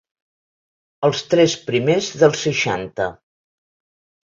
Els tres primers dels seixanta.